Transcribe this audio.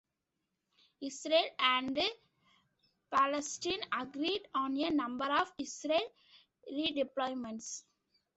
Israel and Palestine agreed on a number of Israeli redeployments.